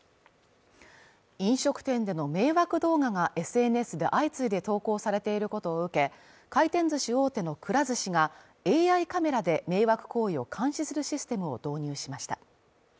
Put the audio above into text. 飲食店での迷惑動画がＳＮＳで相次いで投稿されていることを受け、回転ずし大手のくら寿司が、ＡＩカメラで迷惑行為を監視するシステムを導入しました。